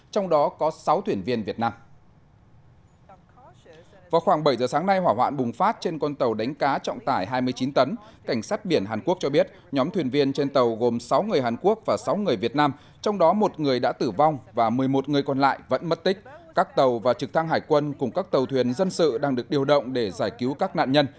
tổng thống và trực thăng hải quân cùng các tàu thuyền dân sự đang được điều động để giải cứu các nạn nhân